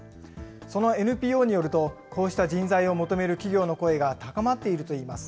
そのＮＰＯによると、こうした人材を求める企業の声が高まっているといいます。